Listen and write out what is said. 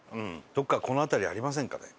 どこかこの辺りありませんかね？